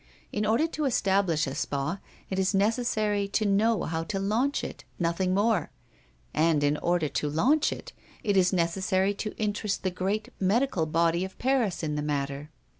In order to establish a spa, it is necessary to know how to launch it, nothing more, and in order to launch it, it is necessary to interest the great medical body of Paris in the matter.